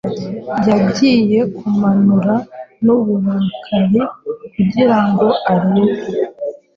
Yagiye kumanura nuburakari kugirango arebe